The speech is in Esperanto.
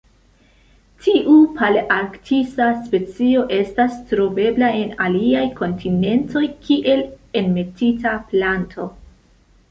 Tiu palearktisa specio estas trovebla en aliaj kontinentoj kiel enmetita planto.